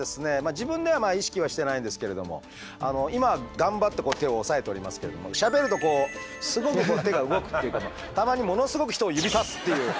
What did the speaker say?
自分では意識はしてないんですけれども今頑張って手を抑えておりますけれどもしゃべるとこうすごく手が動くっていうかたまにものすごく人を指さすっていう。